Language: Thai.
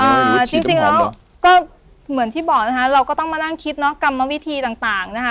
จริงจริงแล้วก็เหมือนที่บอกนะคะเราก็ต้องมานั่งคิดเนอะกรรมวิธีต่างต่างนะคะ